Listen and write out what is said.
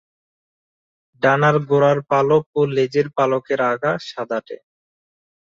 ডানার গোড়ার পালক ও লেজের পালকের আগা সাদাটে।